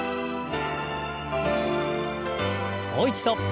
もう一度。